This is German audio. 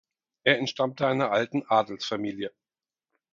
Er entstammte einer alten Adelsfamilie.